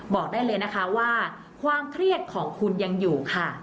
บอกได้เลยนะคะว่าความเครียดของคุณยังอยู่ค่ะ